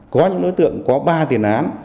có những đối tượng có ba tiền án